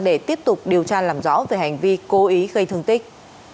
để tiếp tục điều tra làm rõ về hành vi cố ý gây thương tích